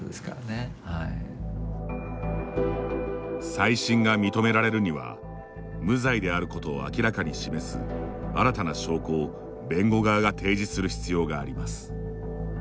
再審が認められるには無罪であることを明らかに示す新たな証拠を弁護側が提示する必要があります。